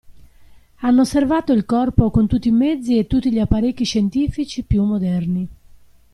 Hanno osservato il corpo con tutti i mezzi e tutti gli apparecchi scientifici più moderni.